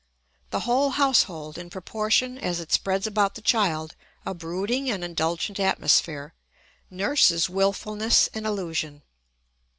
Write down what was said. The whole household, in proportion as it spreads about the child a brooding and indulgent atmosphere, nurses wilfulness and illusion.